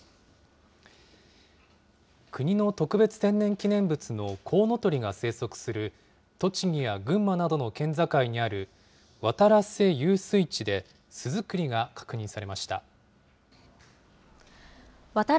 国の特別天然記念物のコウノトリが生息する、栃木や群馬などの県境にある、渡良瀬遊水地で巣作りが確認されました。